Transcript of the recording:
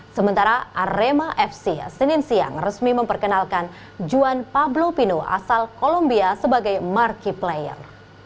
sementara arema fc senin siang resmi memperkenalkan juan pablo pino asal columbia sebagai marquee player